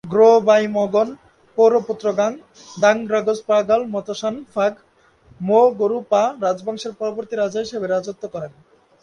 গ্রো-বা'ই-ম্গোন-পোর পুত্র ঙ্গাগ-দ্বাং-গ্রাগ্স-পা-র্গ্যাল-ম্ত্শান ফাগ-মো-গ্রু-পা রাজবংশের পরবর্তী রাজা হিসেবে রাজত্ব করেন।